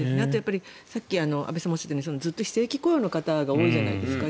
さっき安部さんもおっしゃったようにずっと非正規雇用の方が多いじゃないですか。